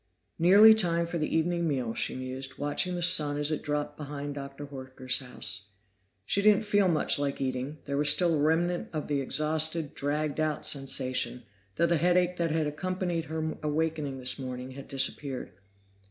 Nearly time for the evening meal, she mused, watching the sun as it dropped behind Dr. Horker's house. She didn't feel much like eating; there was still a remnant of the exhausted, dragged out sensation, though the headache that had accompanied her awakening this morning had disappeared.